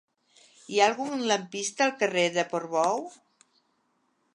Hi ha algun lampista al carrer de Portbou?